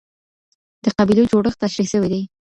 د قبيلو جوړښت تشريح سوی دی.